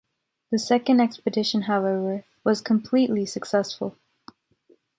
The second expedition, however, was completely successful.